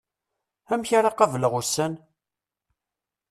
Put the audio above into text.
Amek ara qableɣ ussan?